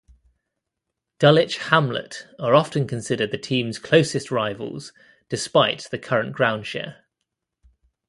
Dulwich Hamlet are often considered the team's closest rivals, despite the current groundshare.